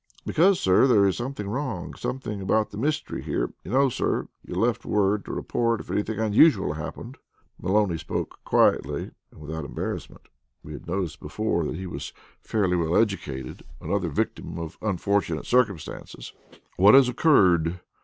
"Because, sir, there is something wrong something about the mystery here. You know, sir, you left word to report if anything unusual happened." Maloney spoke quietly, and without embarrassment. We had noticed before that he was fairly well educated another victim of unfortunate circumstances. "What has occurred?"